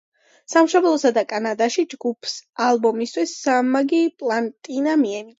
სამშობლოსა და კანადაში ჯგუფს ალბომისთვის სამმაგი პლატინა მიენიჭა.